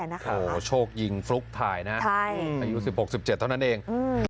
โอ้โหโชคยิงฟลุ๊กถ่ายนะอายุ๑๖๑๗เท่านั้นเอง